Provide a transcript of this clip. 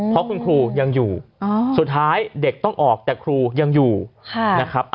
เพราะคุณครูยังอยู่สุดท้ายเด็กต้องออกแต่ครูยังอยู่นะครับ